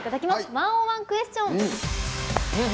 「１０１クエスチョン」。